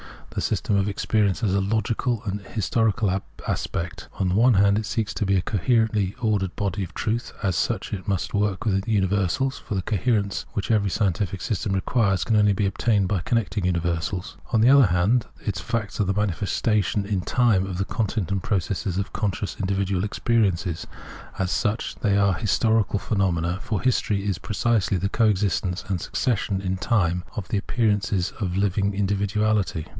The system of experience has a logical and an historical aspect. On the one hand it seeks to be a coherently ordered body of truth : as such, it must work with universals, for the coherence which every scientific system requires can only be obtataed by connecting universals. On the other hand, its facts are the manifestations in time of the content and processes of conscious individual experience : as such, they are historical phenomena, for history is precisely the co existence and succession in time of the appearances of a living individuality.